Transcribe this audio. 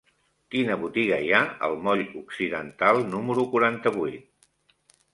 Quina botiga hi ha al moll Occidental número quaranta-vuit?